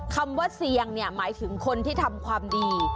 คำว่าเสี่ยงเนี่ยหมายถึงคนที่ทำความดี